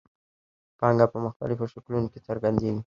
پانګه په مختلفو شکلونو کې څرګندېږي